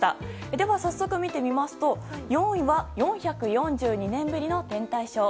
では、早速見てみると４位は４４２年ぶりの天体ショー。